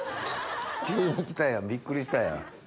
急に来たやんびっくりしたやん。